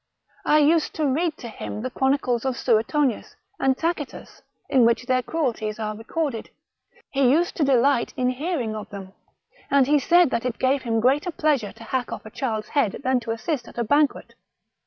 I used to read to him the chronicles of Suetonius, and Tacitus, in which their cruelties are recorded. He used to delight in hearing /* THE MAR^CHAL DE RETZ. 221 of them, and he said that it gave him greater pleasure to hack off a child's head than to assist at a banquet.